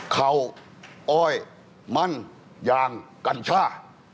เขาอ้อยมันยางกัญชา